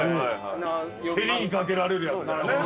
競りにかけられるやつだよね。